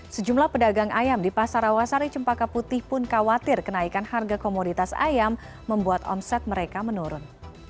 sejumlah pedagang ayam di pasar awasari cempaka putih pun khawatir kenaikan harga komoditas ayam membuat omset mereka menurun